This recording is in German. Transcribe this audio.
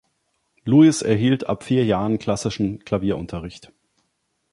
Lewis erhielt ab vier Jahren klassischen Klavierunterricht.